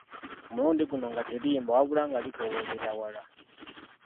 Omulundi guno nga teriyimba wabula nga likoowoolera ewala.